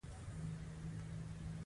یو سل او نهمه پوښتنه د ترفیع وخت دی.